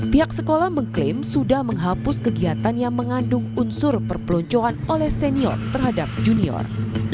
pihak sekolah mengklaim sudah menghapus kegiatan yang mengandung unsur perpeloncoan oleh senior terhadap junior